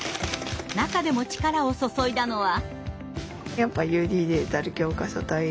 中でも力を注いだのは。